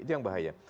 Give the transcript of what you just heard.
itu yang bahaya